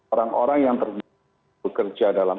orang orang yang bekerja dalam